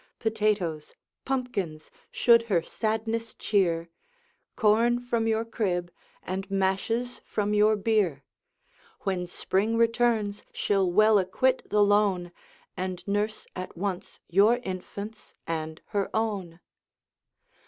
Potatoes, pumpkins, should her sadness cheer, Corn from your crib, and mashes from your beer; When spring returns, she'll well acquit the loan, And nurse at once your infants and her own.